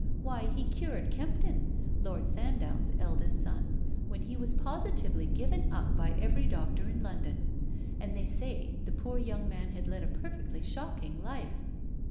Why, he cured Kempton — Lord Sandown's eldest son — when he was positively given up by every doctor in London. And they say the poor young man had led a perfectly shocking life."